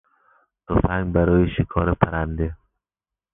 تفنگ برای شکار پرنده